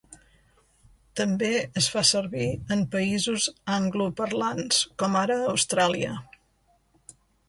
També es fa servir en països angloparlants com ara Austràlia.